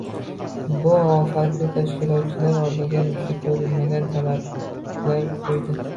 Bu ofati tashkilotchilar oldiga misli ko‘rilmagan talablar qo‘ydi.